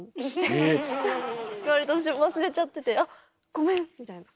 言われて私忘れちゃってて「あっごめん」みたいな。